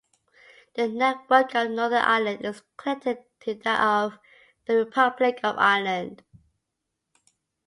The network of Northern Ireland is connected to that of the Republic of Ireland.